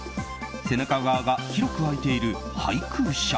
背中側が広く空いている背空射。